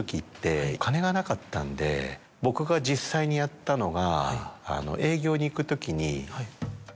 僕が実際にやったのが。